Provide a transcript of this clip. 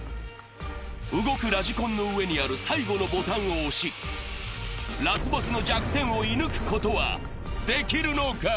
動くラジコンの上にある最後のボタンを押し、ラスボスの弱点を射ぬくことはできるのか？